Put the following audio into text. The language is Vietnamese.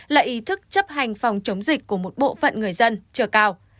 là ý thức chấp hành phòng chống dịch của một bộ phận người dân chưa cao